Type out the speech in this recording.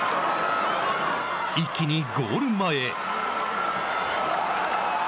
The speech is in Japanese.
一気にゴール前へ。